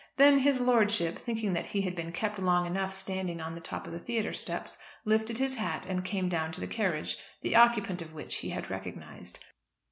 Then his lordship, thinking that he had been kept long enough standing on the top of the theatre steps, lifted his hat and came down to the carriage, the occupant of which he had recognised.